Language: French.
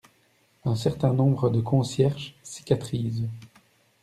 Un certain nombre de concierges cicatrisent.